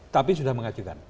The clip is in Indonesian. tapi sudah mengajukan